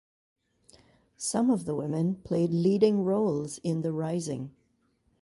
Some of the women played leading roles in the Rising.